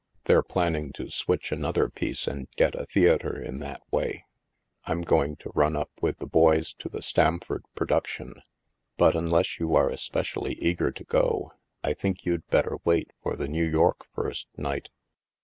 They're planning to switch another piece and get a theatre in that way. I'm going to run up with the boys to the Stamford production. But unless you are especially eager to go, I think you'd better wait for the New York first night."